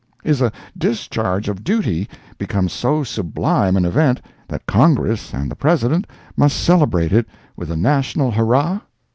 Is a discharge of duty become so sublime an event that Congress and the President must celebrate it with a national hurrah?